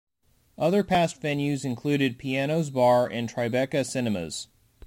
Other past venues included Pianos Bar and Tribeca Cinemas.